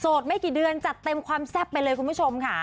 ไม่กี่เดือนจัดเต็มความแซ่บไปเลยคุณผู้ชมค่ะ